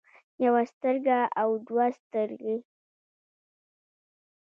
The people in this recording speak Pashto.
يوه سترګه او دوه سترګې